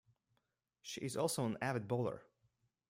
She is also an avid bowler.